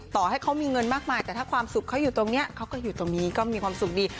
ต่อให้เขามีเงินมากมายแต่ถ้าความสุขเขาอยู่ตรงนี้เขาก็อยู่ตรงนี้ก็มีความสุขดี